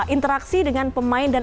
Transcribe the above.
interaksi dengan pemain dan